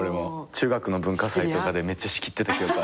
中学の文化祭とかでめっちゃ仕切ってた記憶ある。